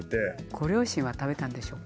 ご両親は食べたんでしょうか。